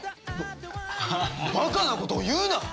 ババカなことを言うな！